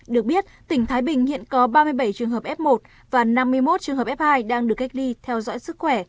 được biết tỉnh thái bình hiện có ba mươi bảy trường hợp f một và năm mươi một trường hợp f hai đang được cách ly theo dõi sức khỏe